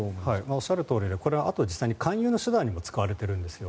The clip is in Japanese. おっしゃるとおりであと、これは勧誘の手段にも使われているんですよ。